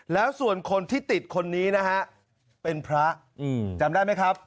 แล้วส่วนคนที่ติดคนนี้นะฮะเป็นพระจำได้ไหมครับ